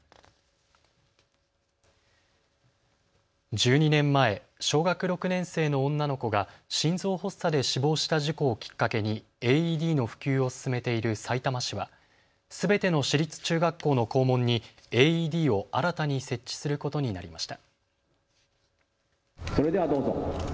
１２年前、小学６年生の女の子が心臓発作で死亡した事故をきっかけにＡＥＤの普及を進めているさいたま市はすべての市立中学校の校門にＡＥＤを新たに設置することになりました。